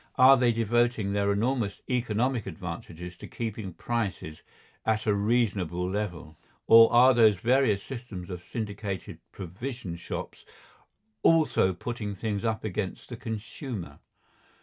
Are they devoting their enormous economic advantages to keeping prices at a reasonable level, or are these various systems of syndicated provision shops also putting things up against the consumer?